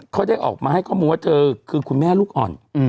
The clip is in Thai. เขาได้ออกมาให้ข้อมูลว่าเธอคือคุณแม่ลูกอ่อน